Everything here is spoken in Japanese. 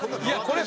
これ。